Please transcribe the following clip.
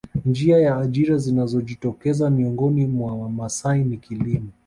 Njia za ajira zinazojitokeza miongoni mwa Wamasai ni kilimo